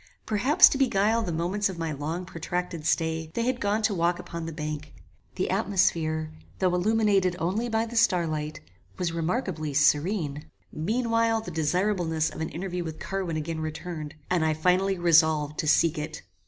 Perhaps to beguile the moments of my long protracted stay, they had gone to walk upon the bank. The atmosphere, though illuminated only by the star light, was remarkably serene. Meanwhile the desirableness of an interview with Carwin again returned, and I finally resolved to seek it.